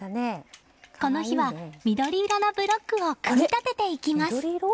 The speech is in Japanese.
この日は緑色のブロックを立てていきます。